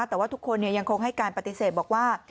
แต่ว่าทุกคนยังคงให้การปฏิเสธบอกว่า